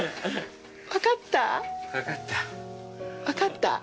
分かった？